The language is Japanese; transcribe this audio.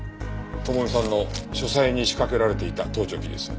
智美さんの書斎に仕掛けられていた盗聴器です。